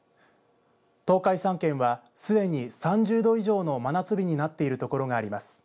東海３県はすでに３０度以上の真夏日になっているところがあります。